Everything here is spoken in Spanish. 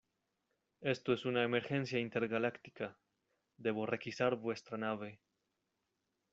Esto es una emergencia intergaláctica. Debo requisar vuestra nave .